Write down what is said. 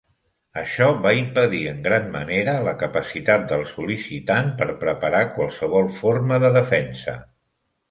Això va impedir en gran manera la capacitat del sol·licitant per preparar qualsevol forma de defensa.